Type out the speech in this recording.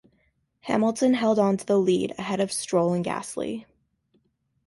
Hamilton held on to the lead ahead of Stroll and Gasly.